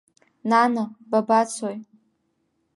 Нана, бабацои?